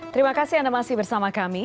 terima kasih anda masih bersama kami